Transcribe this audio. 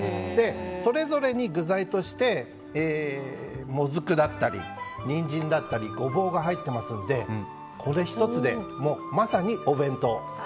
それぞれに具材としてモズクだったりニンジンだったりゴボウが入っていますのでこれ１つで、まさにお弁当。